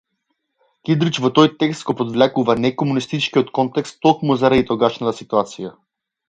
Кидрич во тој текст го подвлекува некомунистичкиот контекст токму заради тогашната ситуација.